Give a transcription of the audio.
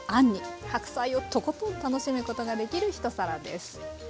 白菜をとことん楽しむことができる一皿です。